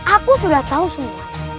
aku sudah tahu semua